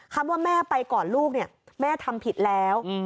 คำว่าแม่ไปก่อนลูกเนี่ยแม่ทำผิดแล้ว